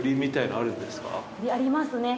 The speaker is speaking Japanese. ありますね。